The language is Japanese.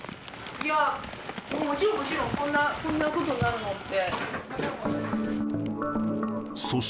いや、もちろん、もちろん、こんなことになるなんて。